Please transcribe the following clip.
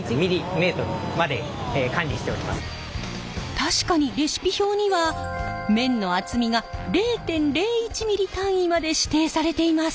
確かにレシピ表には麺の厚みが０．０１ｍｍ単位まで指定されています。